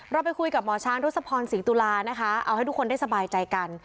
เราไปคุยกับหมอช้างทศพรศรีตุลานะคะเอาให้ทุกคนได้สบายใจกัน